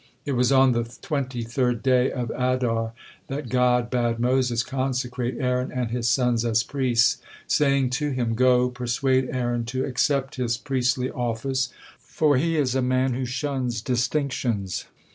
It was on the twenty third day of Adar that God bade Moses consecrate Aaron and his sons as priests, saying to him: "Go, persuade Aaron to accept his priestly office, for he is a man whom shuns distinctions.